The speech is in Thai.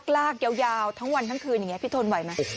ลากยาวทั้งวันทั้งคืนอย่างนี้พี่ทนไหวไหม